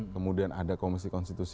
kemudian ada komisi konstitusi